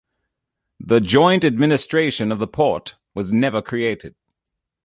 The joint administration of the port was never created.